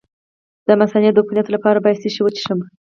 د مثانې د عفونت لپاره باید څه شی وڅښم؟